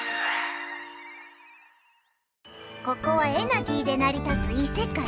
ここはエナジーでなり立ついせかい。